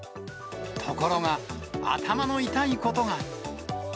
ところが、頭の痛いことが。